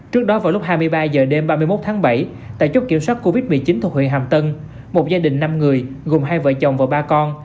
trước đó vào lúc hai mươi ba h đêm ba mươi một tháng bảy tại chốt kiểm soát covid một mươi chín thuộc huyện hàm tân một gia đình năm người gồm hai vợ chồng và ba con